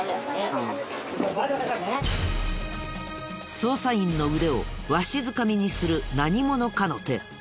捜査員の腕をわしづかみにする何者かの手。